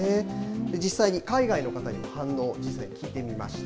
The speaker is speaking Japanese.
実際に海外の方にも反応、聞いてみました。